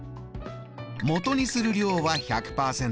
もとにする量は１００％。